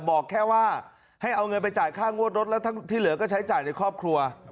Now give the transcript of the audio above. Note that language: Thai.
บอกแค่ว่าให้เอาเงินไปจ่ายค่างวดรถแล้วที่เหลือก็ใช้จ่ายในครอบครัว